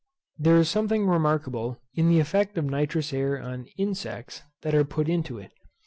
There is something remarkable in the effect of nitrous air on insects that are put into it.